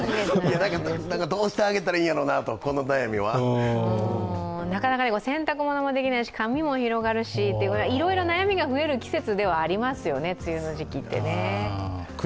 どうしてあげたらいいんやろなと、この悩みは。なかなか洗濯物もできないし髪も広がるし、いろいろ悩みが増える季節ではありますよね、梅雨の時期って。